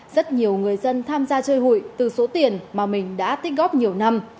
rất nhiều người dân tham gia chơi hủy từ số tiền mà mình đã thích góp nhiều năm